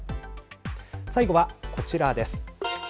最後は、こちらです。